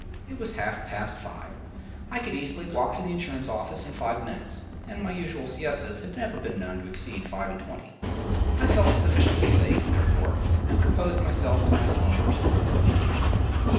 It was half past five; I could easily walk to the insurance office in five minutes; and my usual siestas had never been known to exceed five and twenty. I felt sufficiently safe, therefore, and composed myself to my slumbers forthwith.